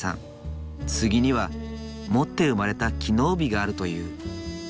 杉には持って生まれた機能美があるという。